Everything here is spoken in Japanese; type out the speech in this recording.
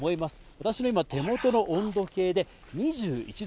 私の今、手元の温度計で２１度。